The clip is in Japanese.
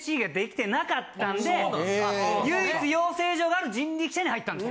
唯一養成所がある人力舎に入ったんです。